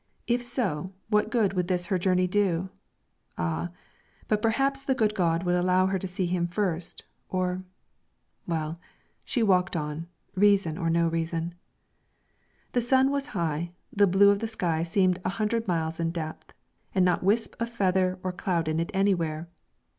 If so, what good would this her journey do? Ah, but perhaps the good God would allow her to see him first, or well, she walked on, reason or no reason. The sun was high, the blue of the sky seemed a hundred miles in depth, and not wisp or feather of cloud in it anywhere!